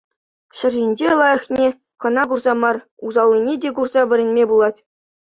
Ҫӗр ҫинче лайӑххнне кӑна курса мар, усаллине те курса вӗренме пулать.